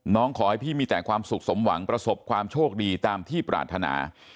ขอให้พี่มีแต่ความสุขสมหวังประสบความโชคดีตามที่ปรารถนา